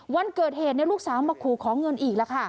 วันเกิดเหตุเนี่ยลูกสาวมาขอเงินอีกละค่ะ